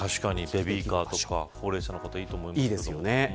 ベビーカーとか高齢者の方にはいいですね。